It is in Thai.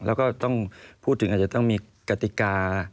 แล้วก็ต้องพูดถึงอาจจะต้องมีกติกา